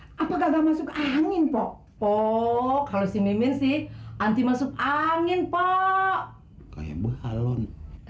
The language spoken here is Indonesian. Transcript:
nah apakah nggak masuk angin pok pok kalau si mimin sih anti masuk angin pok kayak buhalon